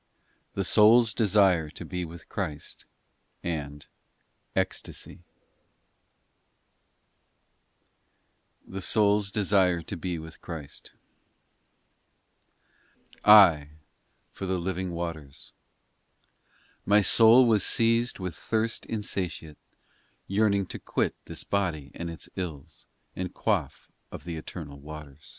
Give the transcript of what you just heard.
THE SOUL S DESIRE TO BE WITH CHRIST Del agua de la vida I FOR the living waters My soul was seized with thirst insatiate, Yearning to quit This body and its ills, And quaff of the eternal waters.